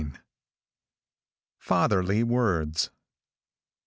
FATHERLY WORDS.